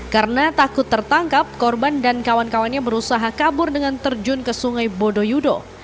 karena takut tertangkap korban dan kawan kawannya berusaha kabur dengan terjun ke sungai bondoyudo